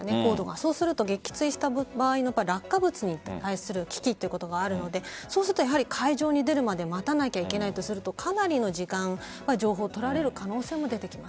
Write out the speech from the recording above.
そうすると撃墜した場合の落下物に対する危機ということがあるのでそうすると海上に出るまで待たなければいけないとするとかなりの時間情報取られる可能性も出てきます。